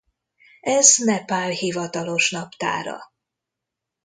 Ez Nepál hivatalos naptára.